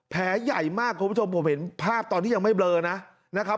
แผลใหญ่มากคุณผู้ชมผมเห็นภาพตอนที่ยังไม่เบลอนะนะครับ